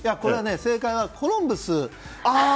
正解はコロンブス。